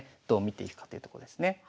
どう見ていくかというとこですね。